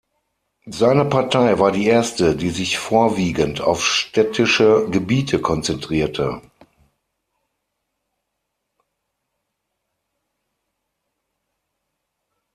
Seine Partei war die erste, die sich vorwiegend auf städtische Gebiete konzentrierte.